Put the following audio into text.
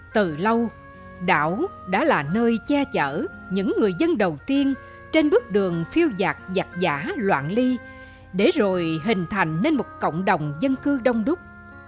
từ lâu đảo đã là nơi che chở những người dân đầu tiên trên bước đường phiêu giạc giặc giả loạn ly để rồi hình thành nên một cộng đồng dân cư đông đúc